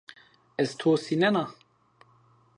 Ez to sînena